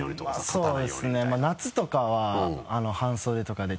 そうですね夏とかは半袖とかで。